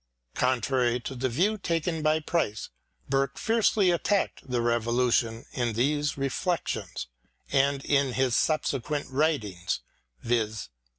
Contrary to the view taken by Price, Burke fiercely attacked the Revolution in these " Reflections " and in his subsequent writings, viz.